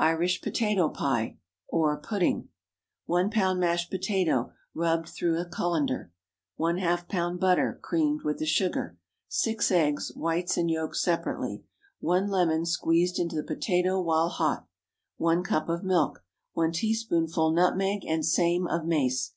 IRISH POTATO PIE (or pudding.) ✠ 1 lb. mashed potato, rubbed through a cullender. ½ lb. butter—creamed with the sugar. 6 eggs—whites and yolks separately. 1 lemon—squeezed into the potato while hot. 1 cup of milk. 1 teaspoonful nutmeg, and same of mace.